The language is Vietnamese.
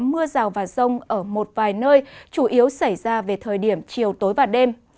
mưa rào và rông ở một vài nơi chủ yếu xảy ra về thời điểm chiều tối và đêm